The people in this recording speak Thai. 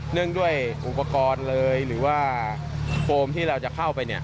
เรื่องด้วยอุปกรณ์เลยหรือว่าโฟมที่เราจะเข้าไป